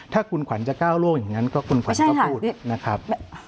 ถ้าคุณขวัญจะก้าวล่วงอย่างนั้นก็คุณขวัญก็พูดนะครับ